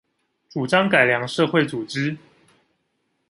主張改良社會組織